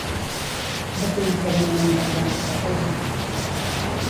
De quin esdeveniment va crear el cartell?